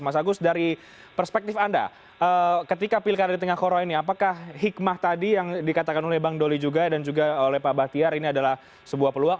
mas agus dari perspektif anda ketika pilkada di tengah koro ini apakah hikmah tadi yang dikatakan oleh bang doli juga dan juga oleh pak bahtiar ini adalah sebuah peluang